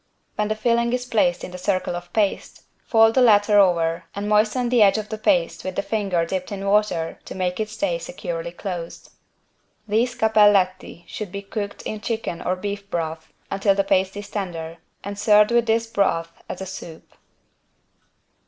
When the filling is placed in the circle of paste, fold the latter over and moisten the edge of the paste with the finger dipped in water to make it stay securely closed. These =cappelletti= should be cooked in chicken or beef broth until the paste is tender, and served with this broth as a soup.